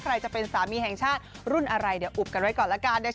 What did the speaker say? ใครจะเป็นสามีแห่งชาติรุ่นอะไรเดี๋ยวอุบกันไว้ก่อนละกัน